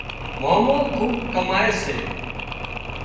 مامو کُوٻ ڪامائي سي